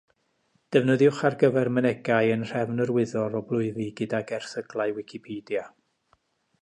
Defnyddiwch ar gyfer mynegai yn nhrefn yr wyddor o blwyfi gydag erthyglau Wikipedia.